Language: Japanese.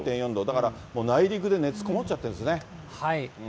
だから、内陸で熱こもっちゃってるんですね。